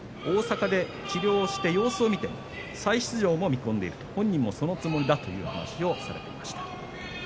大阪で治療して様子を見て再出場を見込んでいる本人もそのつもりだという話をしていました。